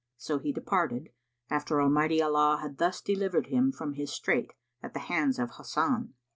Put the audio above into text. So he departed, after Almighty Allah had thus delivered him from his strait at the hands of Hasan.